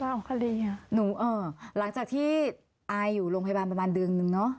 ของคดีอ่ะหนูเอ่อหลังจากที่อายอยู่โรงพยาบาลประมาณเดือนนึงเนอะ